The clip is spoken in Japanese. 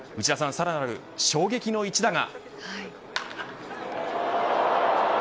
さらなる衝撃の一打が。